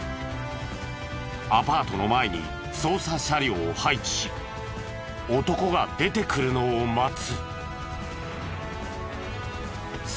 アパートの前に捜査車両を配置し男が出てくるのを待つ。